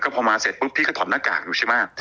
พอมาเสร็จปุ๊บพี่ก็ถอดหน้ากากอยู่ใช่ไหม